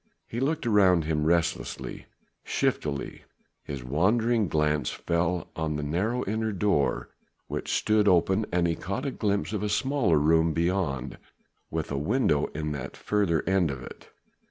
He looked around him restlessly, shiftily; his wandering glance fell on the narrow inner door which stood open, and he caught a glimpse of a smaller room beyond, with a window at the further end of it.